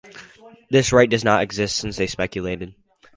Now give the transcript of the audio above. This right does not exist since they speculated.